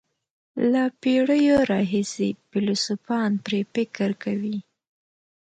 له پېړیو راهیسې فیلسوفان پرې فکر کوي.